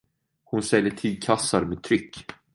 Hon säljer tygkassar med tryck.